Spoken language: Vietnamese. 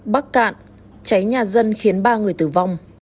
bắc cạn cháy nhà dân khiến ba người tử vong